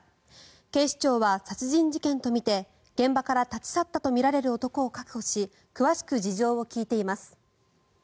警視庁は殺人事件とみて現場から立ち去ったとみられる男を確保し詳しく事情を聴いています。